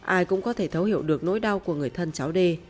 ai cũng có thể thấu hiểu được nỗi đau của người thân cháu đê